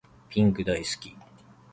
ピンク大好き